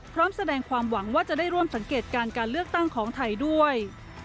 พร้อมแสดงความหวังว่าจะได้ร่วมสังเกตการการเลือกตั้งของไทยด้วย